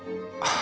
あ。